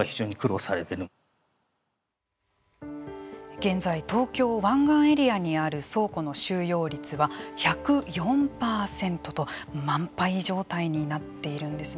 現在、東京湾岸エリアにある倉庫の収容率は１０４％と満杯状態になっているんですね。